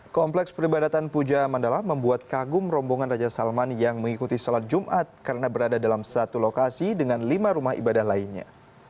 kompleks peribadatan puja mandala membuat kagum rombongan raja salman yang mengikuti sholat jumat karena berada dalam satu lokasi dengan lima rumah ibadah lainnya